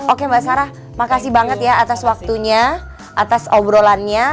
oke mbak sarah makasih banget ya atas waktunya atas obrolannya